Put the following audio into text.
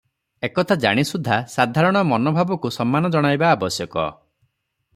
ଏକଥା ଜାଣି ସୁଦ୍ଧା ସାଧାରଣ ମନୋଭାବକୁ ସମ୍ମାନ ଜଣାଇବା ଆବଶ୍ଯକ ।